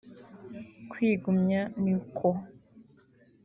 Kwigumya nikwo